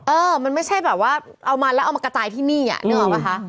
เออมันไม่ใช่แบบว่าเอามาแล้วเอามากระจายที่นี่อ่ะนึกออกป่ะคะ